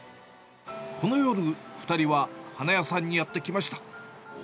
この夜、２人は花屋さんにやって来ました。